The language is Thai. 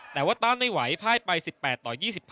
แต่ว่าต้านไม่ไหวพ่ายไป๑๘ต่อ๒๙